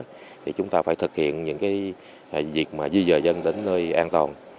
thì chúng ta phải thực hiện những cái việc mà duy dời dân đến nơi an toàn